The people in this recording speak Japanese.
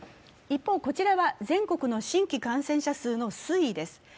一方、こちらは全国の新規感染者数の推移です。